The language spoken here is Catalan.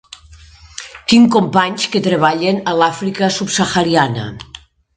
Tinc companys que treballen a l'Àfrica subsahariana.